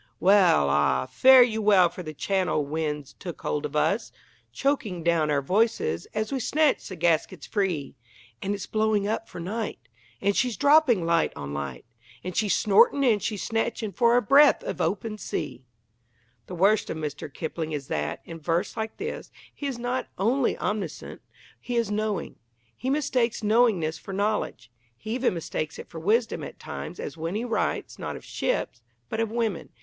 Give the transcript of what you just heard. Well, ah, fare you well for the Channel wind's took hold of us, Choking down our voices as we snatch the gaskets free, And its blowing up for night. And she's dropping light on light, And she's snorting and she's snatching for a breath of open sea. The worst of Mr. Kipling is that, in verse like this, he is not only omniscient; he is knowing. He mistakes knowingness for knowledge. He even mistakes it for wisdom at times, as when he writes, not of ships, but of women.